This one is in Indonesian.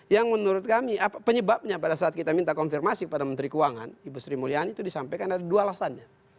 yang menurut kami penyebabnya pada saat kita minta konfirmasi kepada menteri keuangan ibu sri mulyani itu disampaikan ada dua alasannya